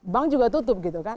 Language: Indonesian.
bank juga tutup gitu kan